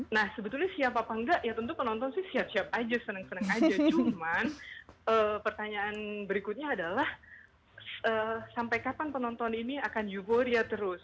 nah sebetulnya siap apa enggak ya tentu penonton sih siap siap aja seneng seneng aja cuman pertanyaan berikutnya adalah sampai kapan penonton ini akan euforia terus